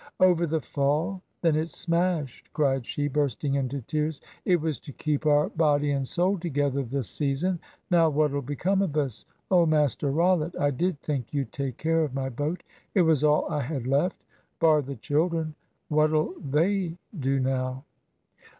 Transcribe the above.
"Over the fall! Then it's smashed," cried she, bursting into tears. "It was to keep our body and soul together this season. Now what'll become of us! Oh, Master Rollitt, I did think you'd take care of my boat. It was all I had left bar the children. What'll they do now?"